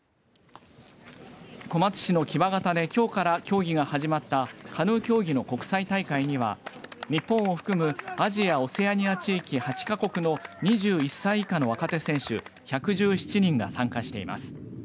小松市の木場潟できょうから競技が始まったカヌー競技の国際大会には日本含むアジア・オセアニア地域８か国の２１歳の若手選手１１７人が参加しています。